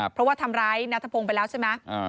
เพราะว่าทำร้ายนัทพงศ์ไปแล้วใช่ไหม